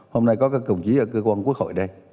hôm nay có các cổng trí ở cơ quan quốc hội đây